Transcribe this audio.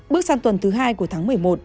bước sang tuần thứ hai của tháng một mươi một